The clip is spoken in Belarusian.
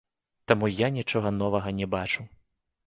Таму я нічога новага не бачу.